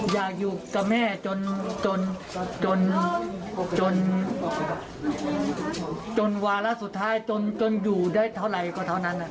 อยากอยู่กับแม่จนวาระสุดท้ายจนอยู่ได้เท่าไหร่ก็เท่านั้น